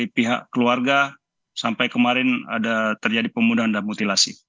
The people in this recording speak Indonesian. pihak keluarga sampai kemarin ada terjadi pemudahan dan mutilasi